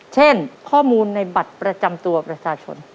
เช่นข้อมูลในบัตรประจำตัวประชาชน